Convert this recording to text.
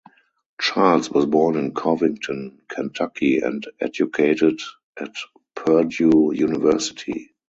Charles was born in Covington, Kentucky and educated at Purdue University.